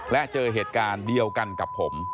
และเจอเหตุการณ์เดียวกันกับผม